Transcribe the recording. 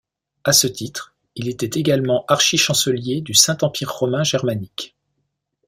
À ce titre, il était également archichancelier du Saint-Empire romain germanique.